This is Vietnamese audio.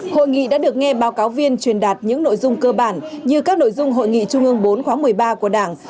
hội nghị đã được nghe báo cáo viên truyền đạt những nội dung cơ bản như các nội dung hội nghị trung ương bốn khóa một mươi ba của đảng